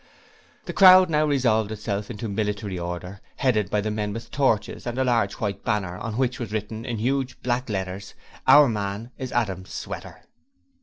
The crowd now resolved itself into military order, headed by the men with torches and a large white banner on which was written in huge black letters, 'Our man is Adam Sweater'.